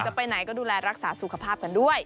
จะไปไหนก็ดูแลรักษาสุขภาพกันด้วย